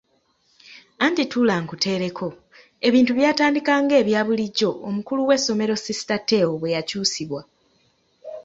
Anti tuula nkuteereko; ebintu byatandika ng'ebya bulijjo omukulu w'essomero sisita Teo bwe yakyusibwa.